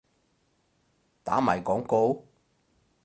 打埋廣告？